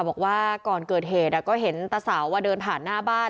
บอกว่าก่อนเกิดเหตุก็เห็นตาเสาเดินผ่านหน้าบ้าน